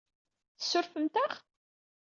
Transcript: Tsurfemt-aɣ?